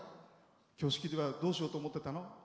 きょう、式ではどうしようと思ってたの？